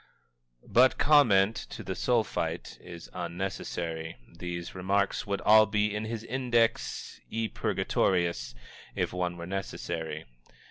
_" But comment, to the Sulphite, is unnecessary. These remarks would all be in his Index Epurgatorius, if one were necessary.